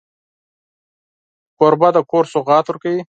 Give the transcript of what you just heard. کوربه د کور سوغات ورکوي.